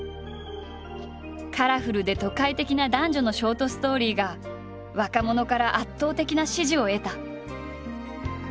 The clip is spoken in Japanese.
カラフルで都会的な男女のショートストーリーが若者から圧倒的な支持を得た。